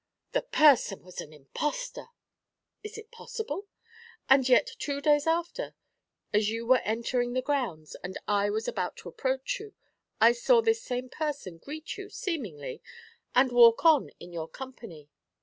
'The person was an impostor.' 'Is it possible? And yet two days after, as you were entering the grounds, and I was about to approach you, I saw this same person greet you, seemingly, and walk on in your company.